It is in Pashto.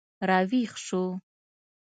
راویښ شو